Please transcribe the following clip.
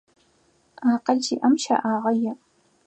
Акъыл зиIэм щэIагъэ иI.